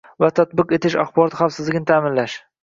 va tatbiq etish, axborot xavfsizligini ta'minlash